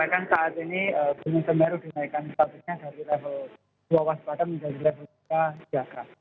ya saya akan menyampaikan saat ini gunung semeru dinaikkan statusnya dari level dua waspada menjadi level tiga siaga